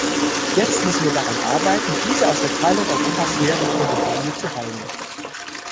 Jetzt müssen wir daran arbeiten, diese aus der Teilung Europas herrührende Wunde zu heilen.